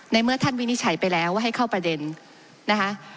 เมื่อท่านวินิจฉัยไปแล้วว่าให้เข้าประเด็นนะคะ